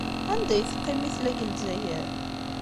Anda ay teqqim mi tella deg Lezzayer?